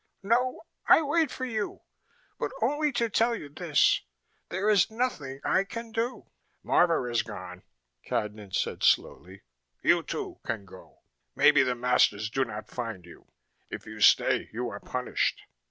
"No. I wait for you, but only to tell you this: there is nothing I can do." "Marvor is gone," Cadnan said slowly. "You, too, can go. Maybe the masters do not find you. If you stay you are punished.